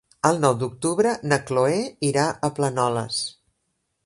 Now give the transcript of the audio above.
El nou d'octubre na Chloé irà a Planoles.